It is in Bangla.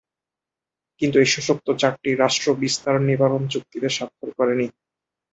কিন্তু এই শেষোক্ত চারটি রাষ্ট্র বিস্তার নিবারণ চুক্তিতে স্বাক্ষর করেনি।